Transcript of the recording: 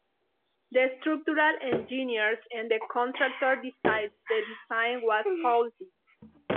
The structural engineers and the contractor decided the design was faulty.